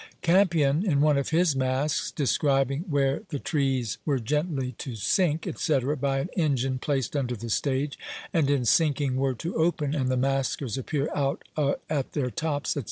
Campion, in one of his Masques, describing where the trees were gently to sink, &c., by an engine placed under the stage, and in sinking were to open, and the masquers appear out at their tops, &c.